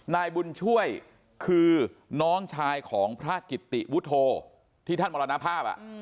นายบุญช่วยคือน้องชายของพระกิตติวุฒโธที่ท่านมรณภาพ